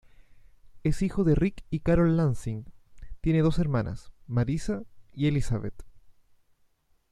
Es hijo de Rick y Carol Lansing, tiene dos hermanas, Marisa y Elizabeth.